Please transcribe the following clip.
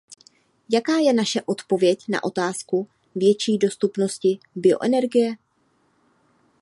Jaká je naše odpověď na otázku větší dostupnosti bioenergie?